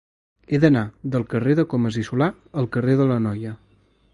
He d'anar del carrer de Comas i Solà al carrer de l'Anoia.